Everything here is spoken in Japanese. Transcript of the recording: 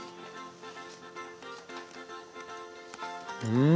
うん！